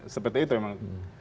seperti itu emang